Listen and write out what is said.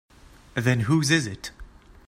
Then whose is it?